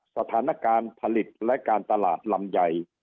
สถานการณ์ผลิตและการตลาดลำไย